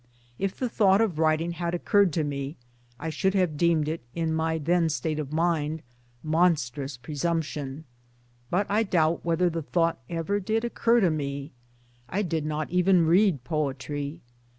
If the thought of writing had occurred to me I should have deemed it, in my then state of mind, monstrous presumption but J doubt whether the thought ever did occur to me. I did not even read poetry.